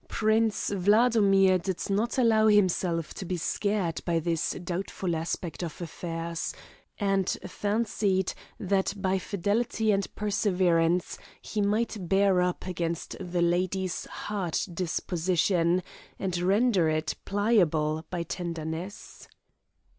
Prince Wladomir did not allow himself to be scared by this doubtful aspect of affairs, and fancied that by fidelity and perseverance he might bear up against the lady's hard disposition, and render it pliable by tenderness.